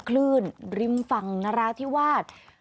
คลื่นริมฝั่งนราธิวาส